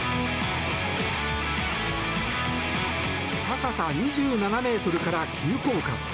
高さ２７ｍから急降下。